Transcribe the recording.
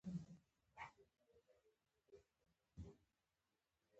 په قرآن کریم کې ويل شوي زما لپاره زما دین.